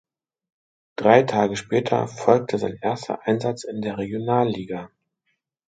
Drei Tage später folgte sein erster Einsatz in der Regionalliga.